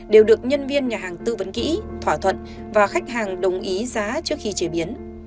đều được nhân viên nhà hàng tư vấn kỹ thỏa thuận và khách hàng đồng ý giá trước khi chế biến